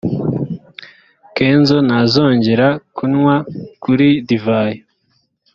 kenzo ntazongera kunywa kuri divayi